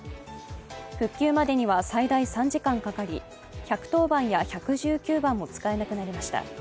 復旧までには最大３時間かかり１１０番や１１９番も使えなくなりました。